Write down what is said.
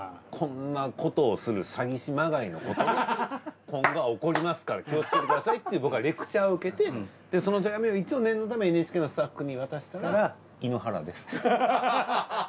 こんなことをする詐欺師まがいのことが今後は起こりますから気をつけてくださいっていう僕はレクチャーを受けてその手紙を一応念のためＮＨＫのスタッフに渡したら。